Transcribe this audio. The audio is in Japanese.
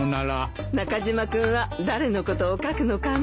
中島君は誰のことを書くのかね？